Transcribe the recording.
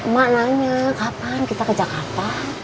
mak nanya kapan kita ke jakarta